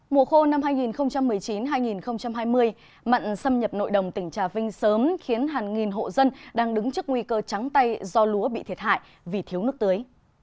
mùa khô năm hai nghìn một mươi chín hai nghìn hai mươi mặn xâm nhập nội đồng tỉnh trà vinh sớm khiến hàng nghìn hộ dân đang đứng trước nguy cơ trắng tay do lúa bị thiệt hại vì thiếu nước tưới